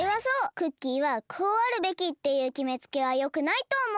クッキーはこうあるべきっていうきめつけはよくないとおもう！